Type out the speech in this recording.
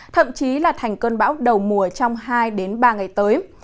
thậm chí là thành cơn bão đầu mùa trong hai ba ngày tới